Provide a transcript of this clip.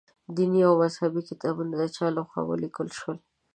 دیني او مذهبي کتابونه د چا له خوا ولیکل شول.